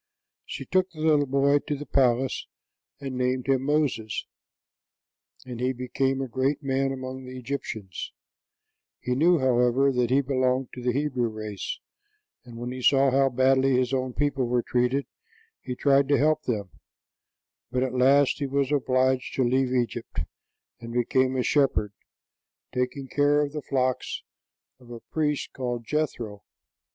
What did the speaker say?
She took the little boy to the palace and named him Moses, and he became a great man among the Egyptians; he knew, however, that he belonged to the Hebrew race, and when he saw how badly his own people were treated, he tried to help them; but at last he was obliged to leave Egypt, and became a shepherd, taking care of the flocks of a priest called Jethro.